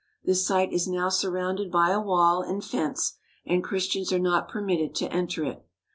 This site is now surrounded by a wall and fence, and Christians are not permitted to enter it.